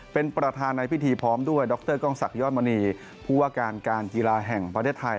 เป็นประธานในพิธีพร้อมด้วยดรกล้องศักดิยอดมณีผู้ว่าการการกีฬาแห่งประเทศไทย